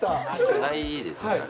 ないですよね、あれ。